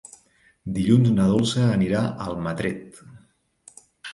Dilluns na Dolça anirà a Almatret.